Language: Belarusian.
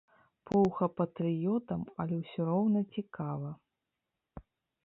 Поўха патрыётам, але ўсё роўна цікава.